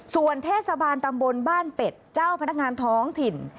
ส่วนเทศบาลตำบลบ้านเป็ดเจ้าพนักงานท้องถิ่น